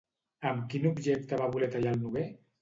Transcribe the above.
Amb quin objecte va voler tallar el noguer?